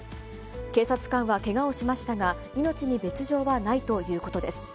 警察官はけがをしましたが、命に別状はないということです。